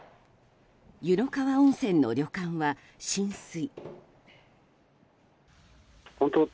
湯の川温泉の旅館は浸水。